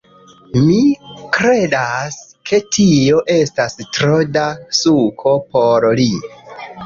Mi kredas, ke tio estas tro da suko por li